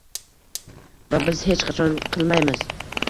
Va biz hech qachon qilmaymiz